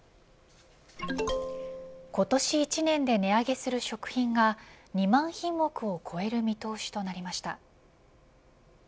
今年１年で値上げする食品が２万品目を超える見通しとなりました。